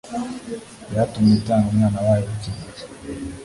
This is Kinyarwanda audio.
byatumye itanga Umwana wayo w'ikinege